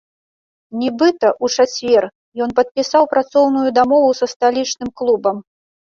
Нібыта, у чацвер ён падпісаў працоўную дамову са сталічным клубам.